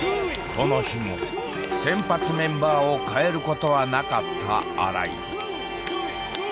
この日も先発メンバーを変えることはなかった新井。